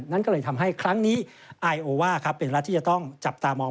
นั้นก็เลยทำให้ครั้งนี้ไอโอว่าเป็นรัฐที่จะต้องจับตามอง